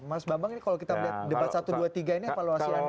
kalau kita lihat debat satu dua tiga ini apa luasnya